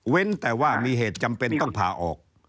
แต่ว่ามีเหตุจำเป็นต้องผ่าออก